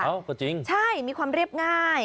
ก็จริงใช่มีความเรียบง่าย